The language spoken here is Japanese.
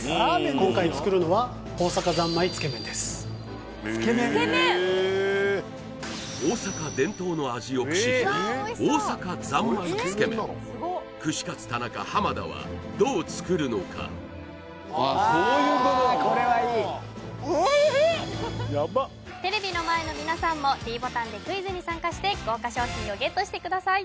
今回作るのは大阪伝統の味を駆使した大阪ざんまいつけ麺串カツ田中田はどう作るのかこれはいいテレビの前の皆さんもｄボタンでクイズに参加して豪華賞品をＧＥＴしてください